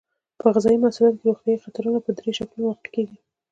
په غذایي محصولاتو کې روغتیایي خطرونه په دریو شکلونو واقع کیږي.